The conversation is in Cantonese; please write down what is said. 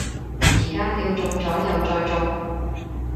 而家叫中咗右再中